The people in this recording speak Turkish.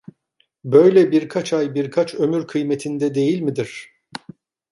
Böyle birkaç ay, birkaç ömür kıymetinde değil midir?